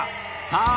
さあ